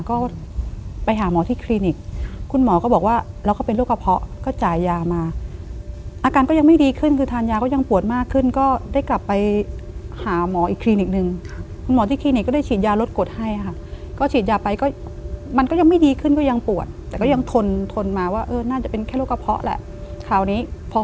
ก็ไปหาหมอที่คลินิกคุณหมอก็บอกว่าเราก็เป็นโรคกระเพาะก็จ่ายยามาอาการก็ยังไม่ดีขึ้นคือทานยาก็ยังปวดมากขึ้นก็ได้กลับไปหาหมออีกคลินิกนึงคุณหมอที่คลินิกก็ได้ฉีดยาลดกดให้ค่ะก็ฉีดยาไปก็มันก็ยังไม่ดีขึ้นก็ยังปวดแต่ก็ยังทนทนมาว่าเออน่าจะเป็นแค่โรคกระเพาะแหละคราวนี้พอ